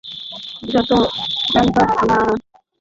জানতাম না এটাকে এই নামে ডাকা হয়।